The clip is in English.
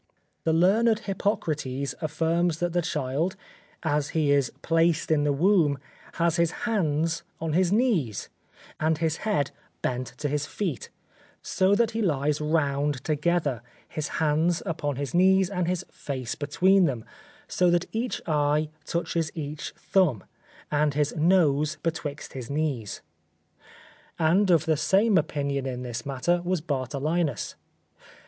The learned Hippocrates affirms that the child, as he is placed in the womb, has his hands on his knees, and his head bent to his feet, so that he lies round together, his hands upon his knees and his face between them, so that each eye touches each thumb, and his nose betwixt his knees. And of the same opinion in this matter was Bartholinus.